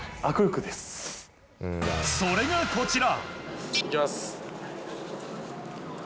それが、こちら。